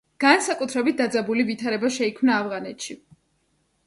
განსაკუთრებით დაძაბული ვითარება შეიქმნა ავღანეთში.